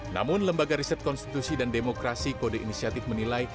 namun lembaga riset konstitusi dan demokrasi kode inisiatif menilai